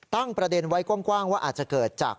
ตั้งประเด็นไว้กว้างว่าอาจจะเกิดจาก